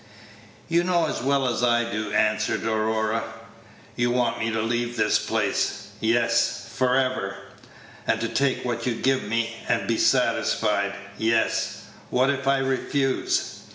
"You know as well as I do," answered Aurora. "You want me to leave this place?" "Yes, for ever." "And to take what you give me and be satisfied?" "Yes." "What if I refuse?"